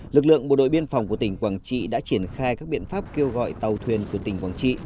lực lượng bộ đội biên phòng của tỉnh quảng trị đã triển khai các biện pháp kêu gọi tàu thuyền của tỉnh quảng trị